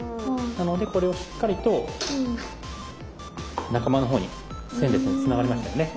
なのでこれをしっかりと仲間のほうに線でつながりましたよね。